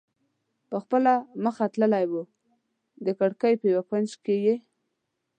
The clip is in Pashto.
په خپله مخه تللی و، د کړکۍ په یو کونج کې یې.